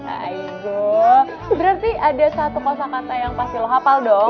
aduh berarti ada satu kosa kosa yang pasti lo hapal dong